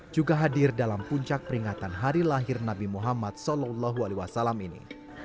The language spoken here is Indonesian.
juga hadir dalam puncak peringatan hari lahir nabi muhammad saw ini